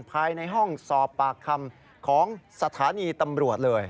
ภายในห้องสอบปากคำของสถานีตำรวจเลย